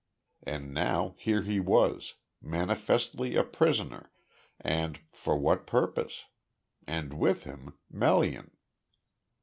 And now here he was manifestly a prisoner, and, for what purpose? And with him, Melian.